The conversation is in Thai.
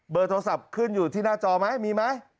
โทรศัพท์ขึ้นอยู่ที่หน้าจอไหมมีไหม